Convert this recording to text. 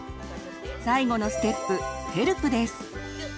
最後のステップ「ＨＥＬＰ」です。